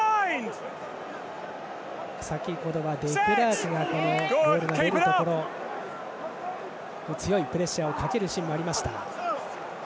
先程はデクラークがボールが出るところ強いプレッシャーをかけるシーンもありました。